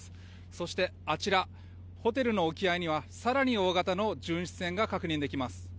そしてあちら、ホテルの沖合には更に大型の巡視船が確認できます。